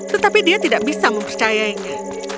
tetapi dia tidak bisa mempercayainya